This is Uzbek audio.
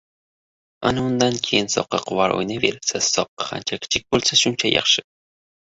Ana undan keyin «soqqa quvar» o‘ynayverasiz. Soqqa qancha kichkina bo‘lsa, shuncha yaxshi.